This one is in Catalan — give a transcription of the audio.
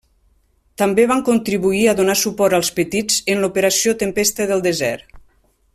També van contribuir a donar suport als petits en l'Operació Tempesta del Desert.